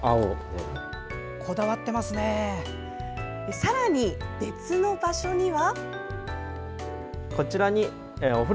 さらに別の場所には。